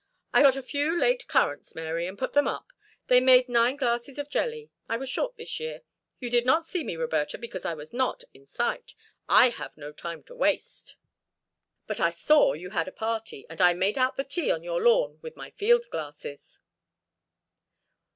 "I got a few late currants, Mary, and I put them up they made nine glasses of jelly. I was short this year. You did not see me, Roberta, because I was not in sight. I have no time to waste. But I saw you had a party, and I made out the tea on your lawn with my field glasses."